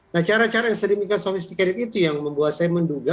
nah cara cara yang sedemikian somesticated itu yang membuat saya menduga